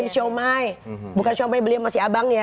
siapai beli sama si abang ya